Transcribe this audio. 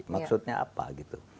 maksudnya apa gitu